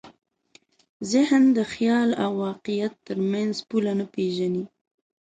ذهن د خیال او واقعیت تر منځ پوله نه پېژني.